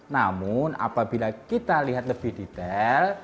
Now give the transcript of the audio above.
namun apabila kita lihat lebih detail